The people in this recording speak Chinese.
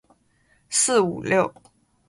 四五六